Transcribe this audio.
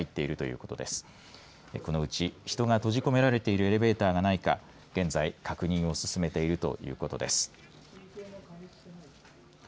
このうち人が閉じ込められているエレベーターがないか現在、確認を進めているということです。